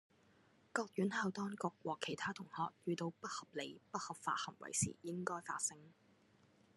各院校當局和其他同學遇到不合理、不合法行為時應該發聲